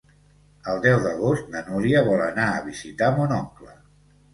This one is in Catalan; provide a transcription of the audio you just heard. El deu d'agost na Núria vol anar a visitar mon oncle.